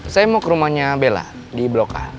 saya mau ke rumahnya bella di blok a